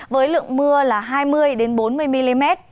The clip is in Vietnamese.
với lượng mưa là hai mươi bốn mươi mm